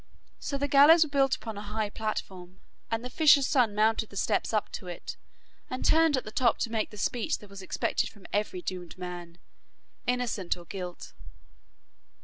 So the gallows was built upon a high platform, and the fisher's son mounted the steps up to it, and turned at the top to make the speech that was expected from every doomed man, innocent or guilt.